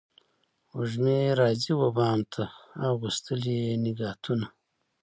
وږمې راځي و بام ته اغوستلي نګهتونه